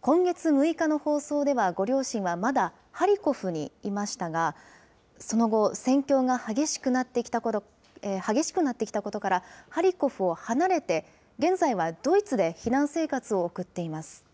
今月６日の放送では、ご両親はまだハリコフにいましたが、その後、戦況が激しくなってきたことから、ハリコフを離れて、現在はドイツで避難生活を送っています。